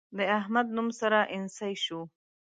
د احمد نوم سره اينڅۍ شو.